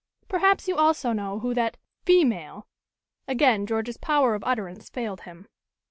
"Perhaps you also know who that female " again George's power of utterance failed him.